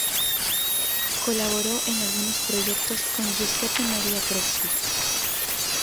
Colaboró en algunos proyectos con Giuseppe Maria Crespi.